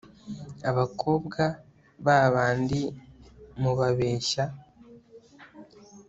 abakobwa babandi mubabeshya